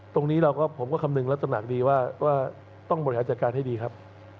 ตรงนี้เราก็ผมก็คำนึงลักษณะดีว่าต้องบริหารจัดการให้ดีครับ